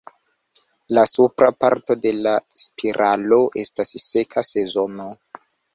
La supra parto de la spiralo estas seka zono.